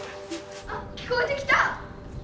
あ聞こえてきた！